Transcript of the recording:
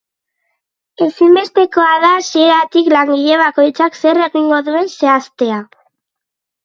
Ezinbestekoa da hasieratik langile bakoitzak zer egingo duen zehaztea.